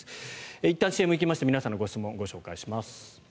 いったんＣＭ行きまして皆さんの質問をお届けします。